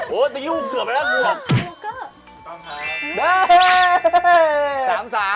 โหตะยุเกือบไปแล้วกว่า